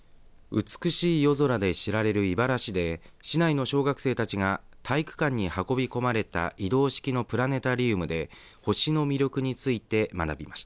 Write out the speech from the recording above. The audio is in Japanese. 美しい夜空で知られる井原市で市内の小学生たちが体育館に運び込まれた移動式のプラネタリウムで星の魅力について学びました。